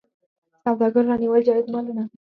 سوداګرو رانیول جایز مالونه.